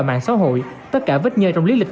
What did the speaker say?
mạng xã hội tất cả vết nhơi trong lý lịch